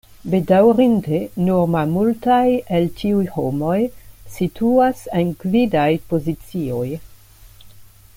Bedaŭrinde nur malmultaj el tiuj homoj situas en gvidaj pozicioj.